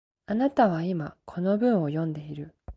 あなたは今、この文を読んでいる